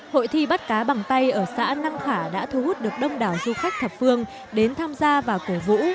hội thi bắt cá bằng tay ở xã năng khả đã thu hút được đông đảo du khách thập phương đến tham gia và cổ vũ